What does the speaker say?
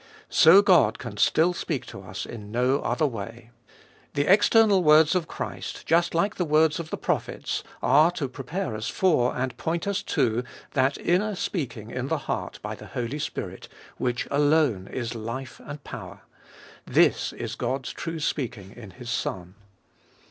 So God can still speak to us in no other way. The external words of Christ, just like the words of the prophets, are to prepare us for, and point us to, that inner speaking in the heart by the Holy Spirit, which alone is life and power. This is God's true speaking in His Son.